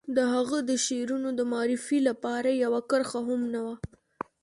د هغه د شعرونو د معرفي لپاره يوه کرښه هم نه وه.